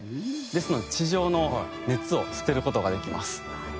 ですので地上の熱を捨てる事ができます。